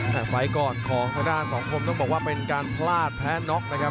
แต่ไฟล์ก่อนของทางด้านสองคมต้องบอกว่าเป็นการพลาดแพ้น็อกนะครับ